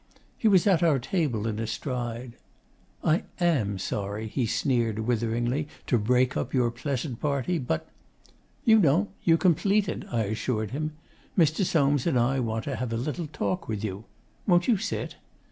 He was at our table in a stride. 'I am sorry,' he sneered witheringly, 'to break up your pleasant party, but ' 'You don't: you complete it,' I assured him. 'Mr. Soames and I want to have a little talk with you. Won't you sit?